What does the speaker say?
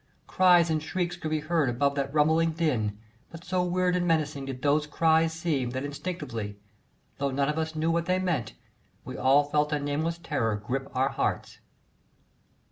Cries and shrieks could be heard above that rumbling din, but so weird and menacing did those cries seem, that instinctively though none of us knew what they meant we all felt a nameless terror grip our hearts.